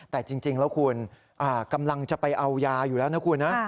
แต่จริงแล้วคุณกำลังจะไปเอายาอยู่แล้วนะคุณนะ